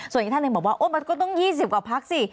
ส่วนอีกท่านหนึ่งบอกว่ามันก็ต้อง๒๐กว่าพักสิ